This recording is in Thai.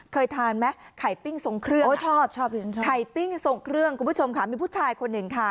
เคยทานไหมไข่ปิ้งทรงเครื่องชอบไข่ปิ้งทรงเครื่องคุณผู้ชมค่ะมีผู้ชายคนหนึ่งค่ะ